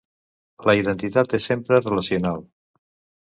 La identitat és sempre relacional.